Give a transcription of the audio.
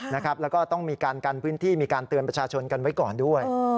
แล้วก็ต้องมีการกันพื้นที่มีการเตือนประชาชนกันไว้ก่อนด้วย